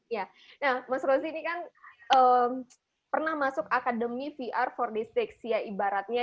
ya nah mas rozi ini kan pernah masuk akademi vr empat puluh enam ya ibaratnya